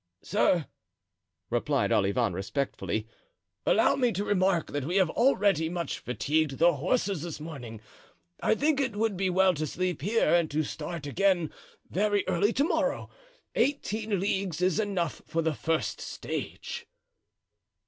"Sir," replied Olivain, respectfully, "allow me to remark that we have already much fatigued the horses this morning. I think it would be well to sleep here and to start again very early to morrow. Eighteen leagues is enough for the first stage."